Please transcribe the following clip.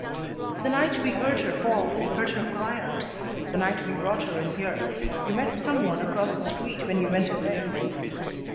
"The night we heard her fall, heard her cry out; the night we brought her in here, you met some one across the street when you went away.